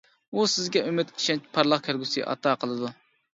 ئۇ سىزگە ئۈمىد، ئىشەنچ، پارلاق كەلگۈسى ئاتا قىلىدۇ.